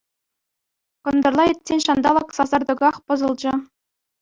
Кӑнтӑрла иртсен ҫанталӑк сасартӑках пӑсӑлчӗ.